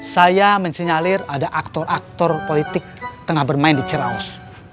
saya mensinyalir ada aktor aktor politik tengah bermain di ceraos